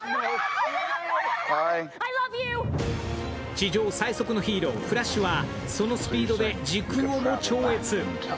地上最速のヒーロー、フラッシュはそのスピードで時空をも超越。